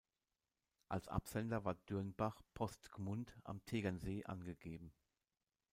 Als Absender war Dürnbach Post Gmund am Tegernsee angegeben.